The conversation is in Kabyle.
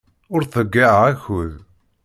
Ur ttḍeyyiɛeɣ akud.